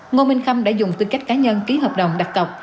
ngô minh khâm đã dùng tư cách cá nhân ký hợp đồng đặc tộc